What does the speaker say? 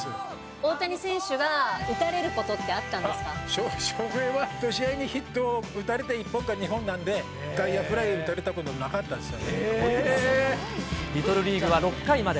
大谷選手が打たれることってあっ、翔平は１試合にヒット打たれて１本か２本なんで、外野フライを取リトルリーグは６回まで。